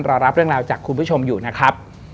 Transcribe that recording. รอรับเรื่องราวจากคุณผู้ชมอยู่นะครับ